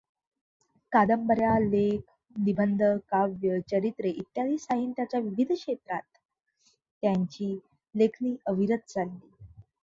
कादंबऱ्या, लेख, निबंध, काव्य, चरित्रे इत्यादी साहित्यांच्या विविध क्षेत्रात त्यांची लेखणी अविरत चालली.